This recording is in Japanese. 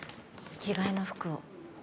着替えの服を。